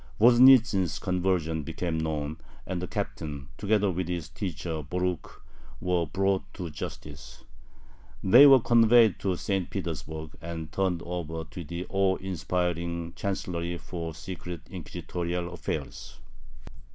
Voznitzin's conversion became known, and the Captain, together with his teacher Borukh, were brought to justice. They were conveyed to St. Petersburg, and turned over to the awe inspiring "Chancellery for Secret Inquisitorial Affairs."